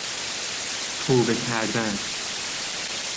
توبه کردن